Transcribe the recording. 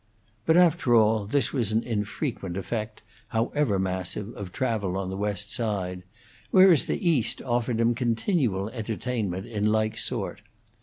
But, after all, this was an infrequent effect, however massive, of travel on the West Side, whereas the East offered him continual entertainment in like sort.